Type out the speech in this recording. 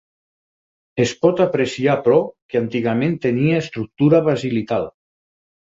Es pot apreciar però, que antigament tenia estructura basilical.